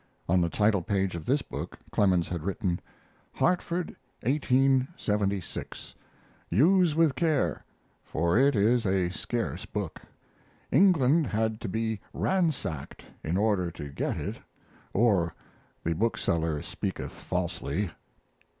On the title page of this book Clemens had written: HARTFORD, 1876. Use with care, for it is a scarce book. England had to be ransacked in order to get it or the bookseller speaketh falsely.